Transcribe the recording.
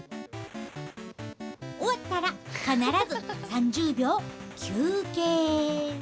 終わったら、必ず３０秒休憩。